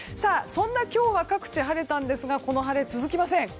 今日は各地晴れたんですがこの晴れは続きません。